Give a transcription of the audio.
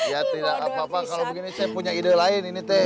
ya tidak apa apa kalau begini saya punya ide lain ini teh